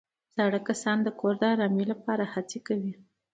زاړه کسان د کور د ارامۍ لپاره هڅې کوي